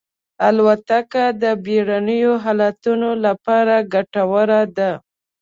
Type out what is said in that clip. الوتکه د بېړنیو حالتونو لپاره ګټوره ده.